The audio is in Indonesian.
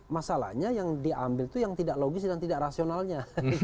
masalahnya yang diambil itu yang tidak logis dan tidak rasionalnya